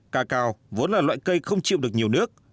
ca cao vốn là loại cây không chịu được nhiều nước